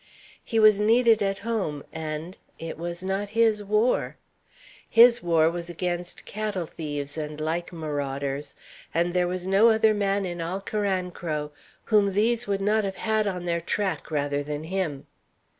He was needed at home, and it was not his war. His war was against cattle thieves and like marauders, and there was no other man in all Carancro whom these would not have had on their track rather than him.